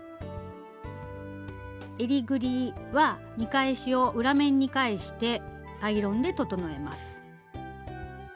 えりぐりは見返しを裏面に返してアイロンで整えます。